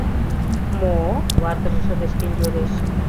— Мо?! — ватыже шыдешкен йодеш.